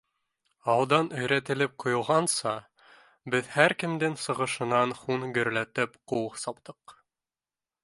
Алдан өйрәтелеп ҡуйылғанса, беҙ һәр кемдең сығышынан һуң гөрләтеп ҡул саптыҡ.